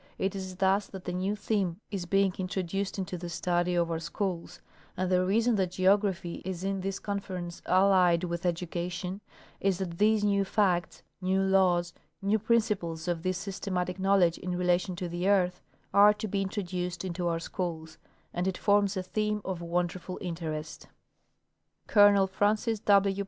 It is thus that a new theme is being introduced into the study of our schools; and the reason that geographj^ is in this Conference allied with education is that these new facts, new laws, new principles of this systematic knowledge in relation to the earth, are to be introduced into our schools ; and it forms a theme of Avonderful interest. Colonel Francis W.